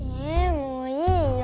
もういいよ。